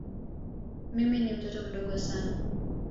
Mimi ni mtoto mdogo sana.